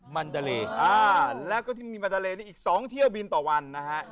มันทะเลอ่าแล้วก็ที่มีมันทะเลนี่อีก๒เที่ยวบินต่อวันนะฮะ